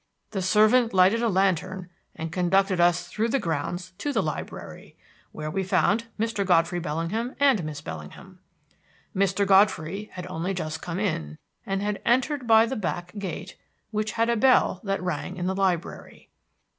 The servant lighted a lantern and conducted us through the grounds to the library, where we found Mr. Godfrey Bellingham and Miss Bellingham. Mr. Godfrey had only just come in and had entered by the back gate, which had a bell that rang in the library.